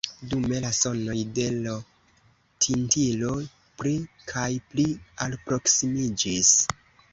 Dume la sonoj de l' tintilo pli kaj pli alproksimiĝis.